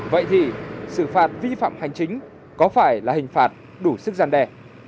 vậy thì xử phạt vi phạm hành chính có phải là hình phạt đủ sức gian đe